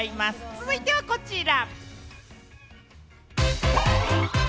続いてはこちら。